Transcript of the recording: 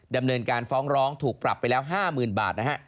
ดำเนินการฟ้องร้องถูกปรับไปแล้ว๕๐๐๐บาทนะฮะ